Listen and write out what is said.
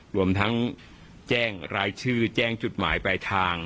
รวมทั้งแจ้งรายชื่อแจ้งจุดหมายปลายทาง